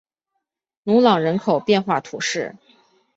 努朗人口变化图示